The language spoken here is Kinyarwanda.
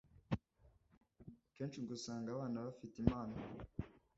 Kenshi ngo usanga abana bafite impano